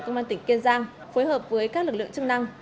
tương văn tỉnh kiên giang phối hợp với các lực lượng chức năng